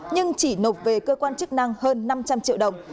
nhưng chỉ nộp về cơ quan chức năng hơn năm trăm linh triệu đồng